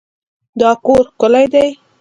دا کور ښکلی دی.